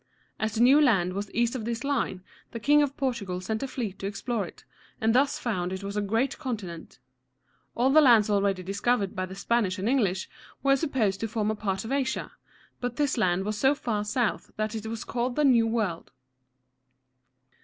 As the new land was east of this line, the King of Portugal sent a fleet to explore it, and thus found it was a great continent. All the lands already discovered by the Spanish and English were supposed to form part of Asia; but this land was so far south that it was called the New World.